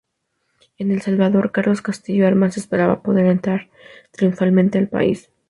En El Salvador, Carlos Castillo Armas esperaba poder entrar triunfalmente al país.